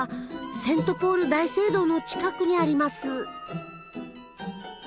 セントポール大聖堂の近くにあります。